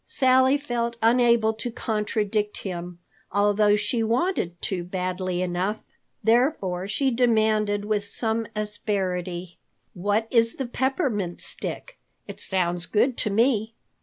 Sally felt unable to contradict him, although she wanted to badly enough. Therefore she demanded with some asperity: "What is the Peppermint Stick? It sounds good to me."